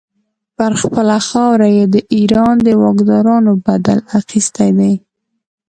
پر خپله خاوره یې د ایران د واکدارانو بدل اخیستی دی.